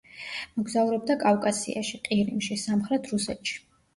მოგზაურობდა კავკასიაში, ყირიმში, სამხრეთ რუსეთში.